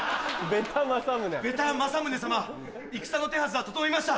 ベタ政宗様戦の手はずは整いました。